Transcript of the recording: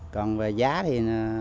còn về giá thì